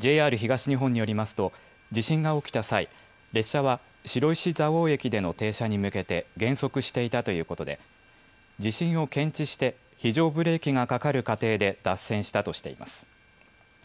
ＪＲ東日本によりますと、地震が起きた際、列車は白石蔵王駅での停車に向けて減速していたということで、地震を検知して、非常ブレーキがかかる過程で脱線したとしています。